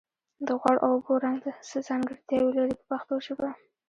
د غوړ او اوبو رنګ څه ځانګړتیاوې لري په پښتو ژبه.